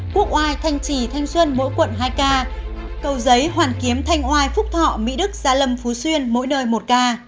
quốc oai thanh trì thanh xuân mỗi quận hai ca cầu giấy hoàn kiếm thanh oai phúc thọ mỹ đức gia lâm phú xuyên mỗi nơi một ca